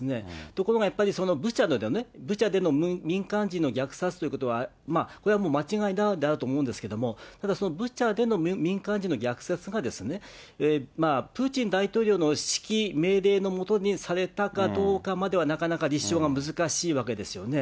ところがやっぱりブチャでの民間人の虐殺ということは、まあこれは間違いだろうと思いますけれども、ただそのブチャでの民間人の虐殺が、プーチン大統領の指揮、命令の下にされたかどうかまでは、なかなか立証が難しいわけですよね。